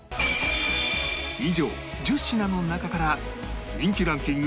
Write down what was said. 以上１０品の中から人気ランキング